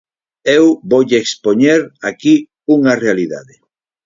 Eu voulle expoñer aquí unha realidade.